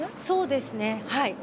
そうですね。